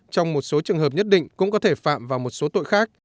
trong một số trường hợp nhất định cũng có thể phạm vào một số tội khác